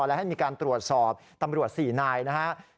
และให้มีการตรวจสอบตำรวจ๔นายนะครับ